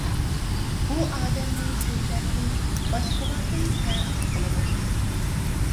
ئۇ ئادەمنى شۆھرەتلىك، باشقىلاردىن پەرقلىق قىلىدۇ.